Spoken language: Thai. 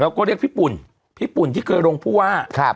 แล้วก็เรียกพี่ปุ่นพี่ปุ่นที่เคยลงผู้ว่าครับ